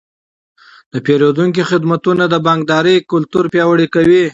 د پیرودونکو خدمتونه د بانکدارۍ کلتور پیاوړی کوي.